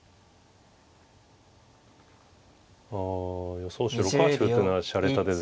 予想手６八歩っていうのはしゃれた手ですね。